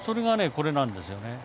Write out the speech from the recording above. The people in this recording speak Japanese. これなんですよね。